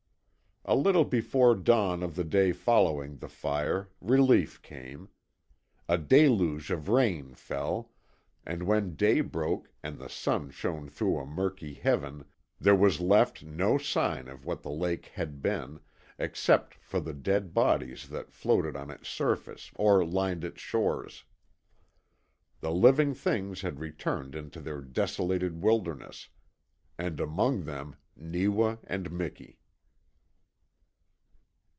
A little before dawn of the day following the fire relief came. A deluge of rain fell, and when day broke and the sun shone through a murky heaven there was left no sign of what the lake had been, except for the dead bodies that floated on its surface or lined its shores. The living things had returned into their desolated wilderness and among them Neewa and Miki.